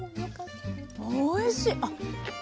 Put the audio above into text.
おいしい！